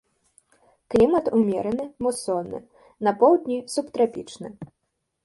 Клімат умераны мусонны, на поўдні субтрапічны.